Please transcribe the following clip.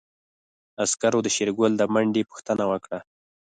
عسکرو د شېرګل د منډې پوښتنه وکړه.